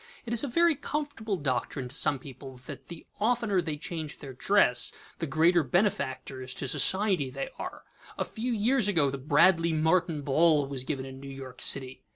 It is a very comfortable doctrine to some people that the oftener they change their dress, the greater benefactors to society they are. A few years ago the "Bradley Martin ball" was given in New York city.